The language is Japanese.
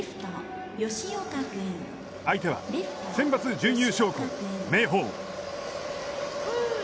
相手はセンバツ準優勝校、明豊。